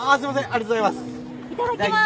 ありがとうございます。